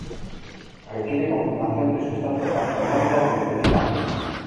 Requiere confirmación de su estatus taxonómico como especie válida.